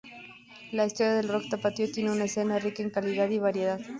La historia del rock tapatío tiene una escena rica en calidad y variedad.